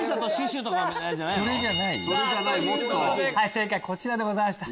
正解こちらでございました。